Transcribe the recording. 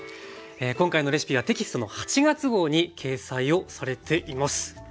今回のレシピはテキストの８月号に掲載をされています。